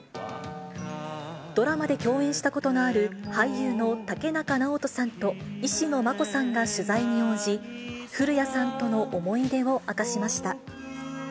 ドラマで共演したことのある俳優の竹中直人さんと石野真子さんが取材に応じ、古谷さんとの思い出を明かしました。